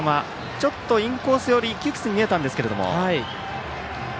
ちょっとインコース寄りで窮屈に見えたんですけれども。